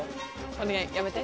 お願いやめて。